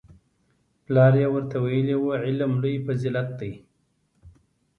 پلار یې ورته ویلي وو علم لوی فضیلت دی